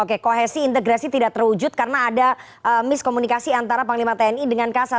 oke kohesi integrasi tidak terwujud karena ada miskomunikasi antara panglima tni dengan kasat